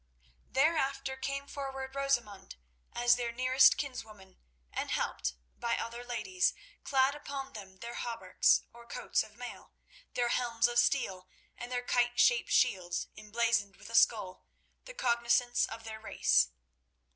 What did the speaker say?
Thereafter came forward Rosamund as their nearest kinswoman, and, helped by other ladies, clad upon them their hauberks, or coats of mail, their helms of steel, and their kite shaped shields, emblazoned with a skull, the cognizance of their race.